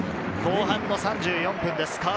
後半の３４分です。